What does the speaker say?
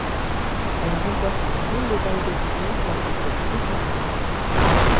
Elle remporte deux médailles de bronze lors de cette édition.